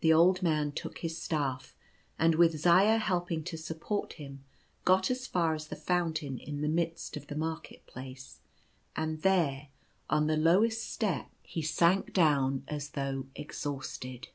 The old man took his staff, and with Zaya helping to support him, got as far as the fountain in the midst of the market place ; and there, on the lowest step, he 68 Zaya's self devotion. sank down as though exhausted.